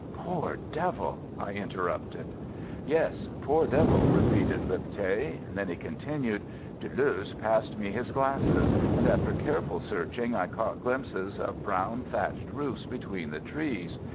"Poor devil!" I interrupted. "Yes poor devil," repeated Lipthay; then he continued: "Deleuze passed me his glasses, and after careful searching I caught glimpses of brown thatched roofs between the trees.